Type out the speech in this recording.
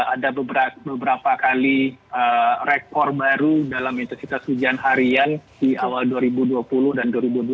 ada beberapa kali rekor baru dalam intensitas hujan harian di awal dua ribu dua puluh dan dua ribu dua puluh